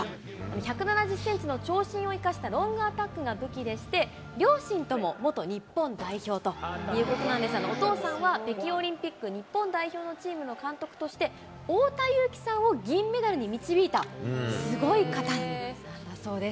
１７０センチの長身を生かしたロングアタックが武器でして、両親とも元日本代表ということなんですが、お父さんは北京オリンピック日本代表のチームの監督として、太田雄貴さんを銀メダルに導いた、すごい方なんだそうです。